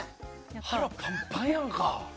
腹パンパンやんか！